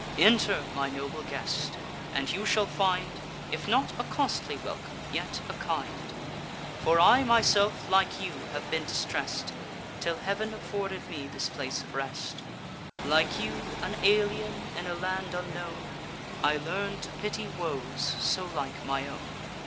Enter, my noble guest, and you shall find, If not a costly welcome, yet a kind: For I myself, like you, have been distress'd, Till Heav'n afforded me this place of rest; Like you, an alien in a land unknown, I learn to pity woes so like my own."